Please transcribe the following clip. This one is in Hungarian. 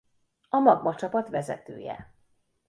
A Magma csapat vezetője.